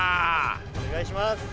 お願いします。